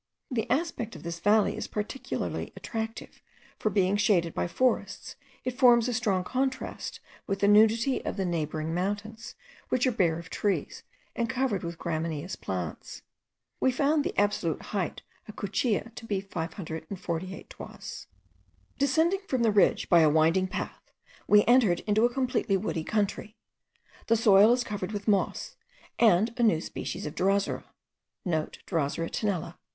The aspect of this valley is peculiarly attractive, for being shaded by forests, it forms a strong contrast with the nudity of the neighbouring mountains, which are bare of trees, and covered with gramineous plants. We found the absolute height of the Cuchilla to be 548 toises. Descending from the ridge by a winding path, we entered into a completely woody country. The soil is covered with moss, and a new species of drosera,* (* Drosera tenella.)